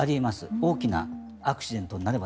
大きなアクシデントになれば。